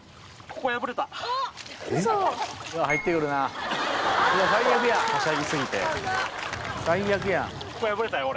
ここ破れたよ